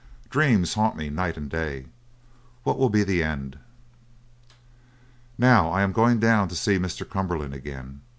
Dreams haunt me night and day. What will be the end? "Now I am going down to see Mr. Cumberland again.